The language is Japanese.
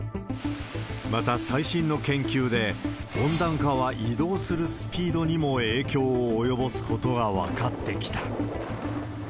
また最新の研究で、温暖化は移動するスピードにも影響を及ぼすことが分かってきた。